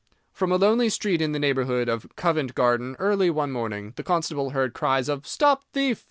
From a lonely street in the neighbourhood of Covent Garden, early one morning, the constable heard cries of "Stop thief!"